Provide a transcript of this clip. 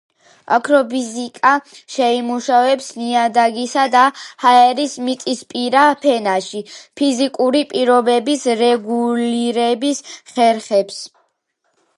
აგროფიზიკა შეიმუშავებს ნიადაგისა და ჰაერის მიწისპირა ფენაში ფიზიკური პირობების რეგულირების ხერხებს.